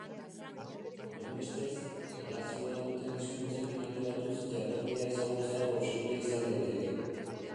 Honenbestez, erlazioa duten hizkuntzekin alderatuz jatorria ezagutzea posible izan daiteke.